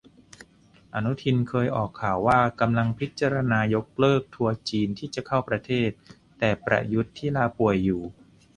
อนุทินเคยออกข่าวว่ากำลังพิจารณายกเลิกทัวร์จีนที่จะเข้าประเทศ แต่ประยุทธ์ ที่ลาป่วยอยู่